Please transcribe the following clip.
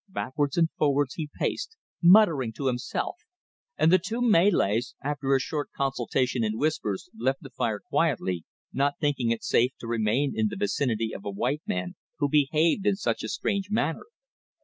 Backwards and forwards he paced, muttering to himself, and the two Malays, after a short consultation in whispers left the fire quietly, not thinking it safe to remain in the vicinity of a white man who behaved in such a strange manner.